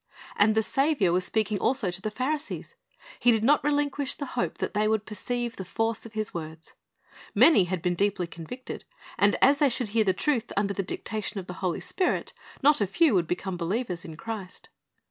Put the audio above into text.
And the Saviour was speaking also to the Pharisees. He did not relinquish the hope that they would perceive the force of His words. Many had been deeply convicted, and as they should hear the truth under the dictation of the Holy Spirit, not a few would become believers in Christ.